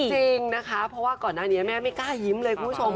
จริงนะคะเพราะว่าก่อนหน้านี้แม่ไม่กล้ายิ้มเลยคุณผู้ชม